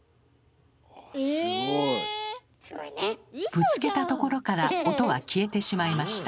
ぶつけたところから音は消えてしまいました。